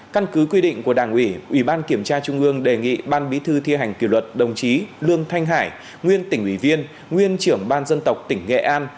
căn cứ quy định của đảng ủy ủy ban kiểm tra trung ương đề nghị ban bí thư thi hành kỷ luật đồng chí lương thanh hải nguyên tỉnh ủy viên nguyên trưởng ban dân tộc tỉnh nghệ an